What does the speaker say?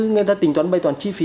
người ta tính toán bày toán chi phí